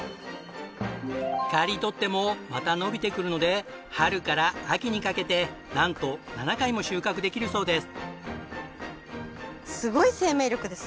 刈り取ってもまた伸びてくるので春から秋にかけてなんと７回も収穫できるそうです。